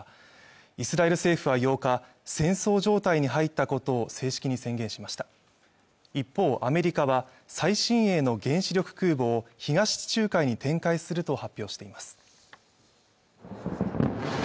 イスラエル政府は８日戦争状態に入ったことを正式に宣言しました一方アメリカは最新鋭の原子力空母を東地中海に展開すると発表しています